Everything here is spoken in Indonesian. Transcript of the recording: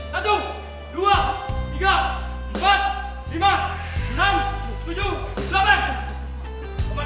satu dua tiga empat lima enam tujuh silahkan